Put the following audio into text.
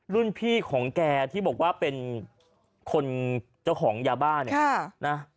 รุ่นพี่ของแกที่บอกว่าเป็นคนเจ้าของยาบ้าเนี่ยนะ